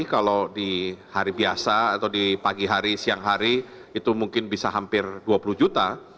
kalau di hari biasa atau di pagi hari siang hari itu mungkin bisa hampir dua puluh juta